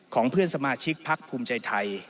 เพื่อนสมาชิกพักภูมิใจไทย